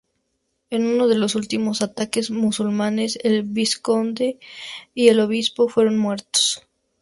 En uno de los últimos ataques musulmanes el vizconde y el obispo fueron muertos.